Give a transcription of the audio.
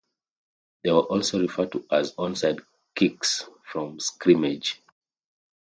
These were also referred to as onside kicks from scrimmage.